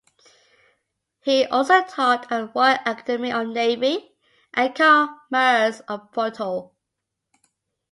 He also taught at the Royal Academy of Navy and Commerce of Porto.